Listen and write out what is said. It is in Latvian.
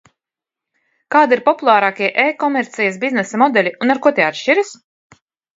Kādi ir populārākie e-komercijas biznesa modeļi un ar ko tie atšķiras?